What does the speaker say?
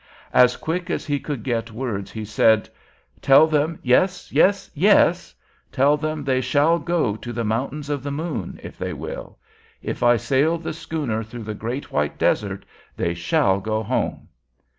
As quick as he could get words, he said: "Tell them yes, yes, yes; tell them they shall go to the Mountains of the Moon, if they will. If I sail the schooner through the Great White Desert, they shall go home!"